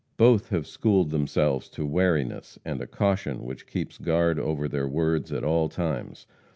Both have schooled themselves to wariness and a caution which keeps guard over their words at all times.